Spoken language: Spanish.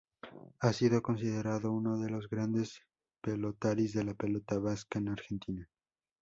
Ha sido considerado uno de los grandes pelotaris de la pelota vasca en Argentina.